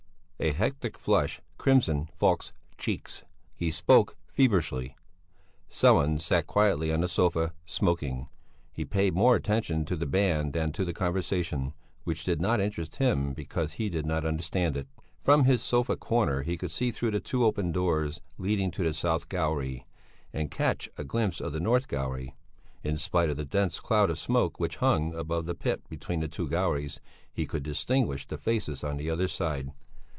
A hectic flush crimsoned Falk's cheeks; he spoke feverishly. Sellén sat quietly on the sofa, smoking. He paid more attention to the band than to the conversation, which did not interest him because he did not understand it. From his sofa corner he could see through the two open doors leading to the south gallery, and catch a glimpse of the north gallery. In spite of the dense cloud of smoke which hung above the pit between the two galleries, he could distinguish the faces on the other side.